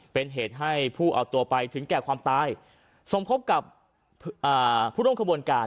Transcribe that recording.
เป็นเหตุให้ผู้เอาตัวไปถึงแก่ความตาย